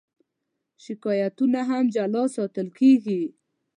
شکایتونه هم جلا ساتل کېږي.